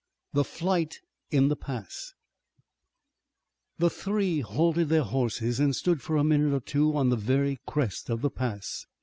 THE FIGHT IN THE PASS The three halted their horses and stood for a minute or two on the very crest of the pass.